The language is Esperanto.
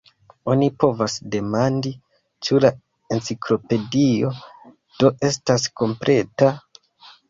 Oni povas demandi, ĉu la Enciklopedio do estas kompleta?